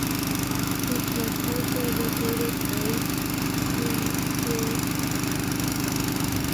It was also recorded by Bing Crosby.